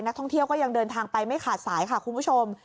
นักท่องเที่ยวก็ยังเดินทางไปไม่ขาดสายค่ะคุณผู้ชม